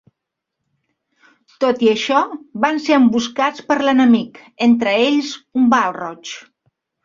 Tot i això, van ser emboscats per l'enemic, entre ells un Balrog.